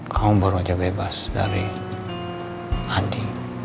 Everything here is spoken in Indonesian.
kamu baru aja bebas dari adi